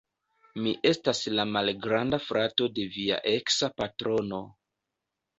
Mi estas la malgranda frato de via eksa patrono